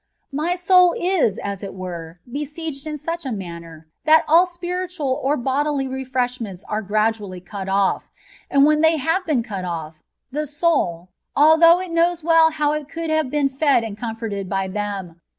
My soul is as it were be sieged in such a manner that ali spiritual or bodily refreshments are gradually cut off; and when they have been cut off, the soul, although it knows well how it could have been fed and comforted by them, 22 A TREATISE ON PtTRGATORY.